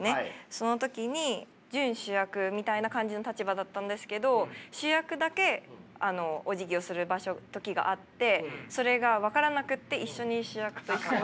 その時に準主役みたいな感じの立場だったんですけど主役だけおじぎをする時があってそれが分からなくて一緒に主役と一緒に。